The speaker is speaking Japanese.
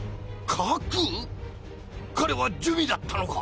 核⁉彼は珠魅だったのか？